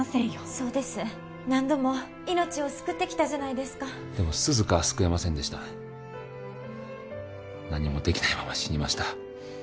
そうです何度も命を救ってきたじゃないですかでも涼香は救えませんでした何もできないまま死にました